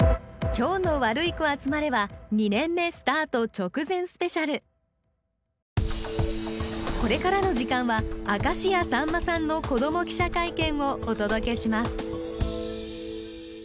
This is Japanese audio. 今日の「ワルイコあつまれ」はこれからの時間は明石家さんまさんの子ども記者会見をお届けします